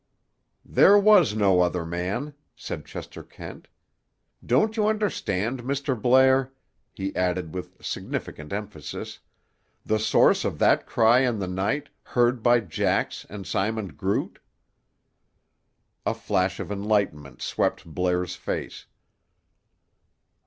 "There was no other man," said Chester Kent. "Don't you understand, Mr. Blair," he added with significant emphasis, "the source of that cry in the night, heard by Jax and Simon Groot?" A flash of enlightenment swept Blair's face.